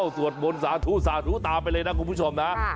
สวดมนต์สาธุสาธุตามไปเลยนะคุณผู้ชมนะ